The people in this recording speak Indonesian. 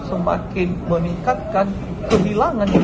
semakin meningkatkan kehilangan yang